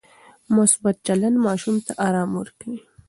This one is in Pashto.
مثبت چلند ماشوم ته ارام ورکوي.